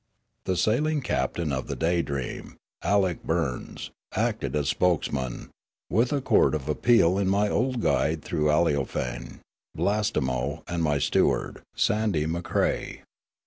The sailing captain of the Daydream, Alick Burns, acted as spokesman, with a court of appeal in my old guide through Aleofane, Blastemo, and my steward, Sandy Macrae.